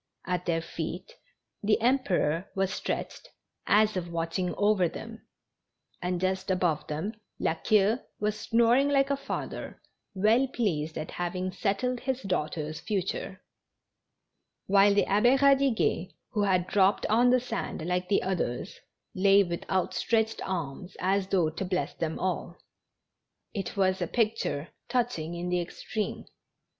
At their feet the Emperor was stretched, as if watching over them, and just above them La Queue was genera ttapptnes^^. 239 snoring like a father well pleased at having settled his daughter's future; while the Abb<^ Kadiguet, who had dropped on the sand like the others, lay with out stretched arms as though to bless them all. It' was a picture touching in the extreme.